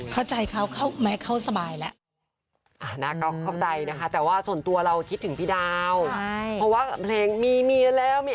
ไม่หลังแกไว้หน่อยหรือ